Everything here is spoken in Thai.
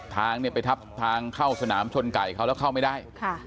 ทางเนี่ยไปทับทางเข้าสนามชนไก่เขาแล้วเข้าไม่ได้